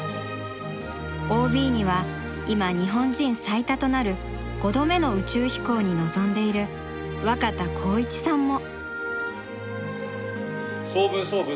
ＯＢには今日本人最多となる５度目の宇宙飛行に臨んでいる若田光一さんも。